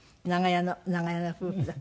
長屋の夫婦だって。